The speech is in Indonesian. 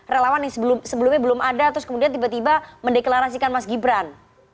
relawan yang sebelumnya belum ada terus kemudian tiba tiba mendeklarasikan mas gibran